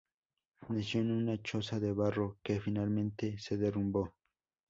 Nació en una choza de barro, que finalmente se derrumbó.